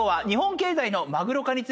日本経済のマグロ化。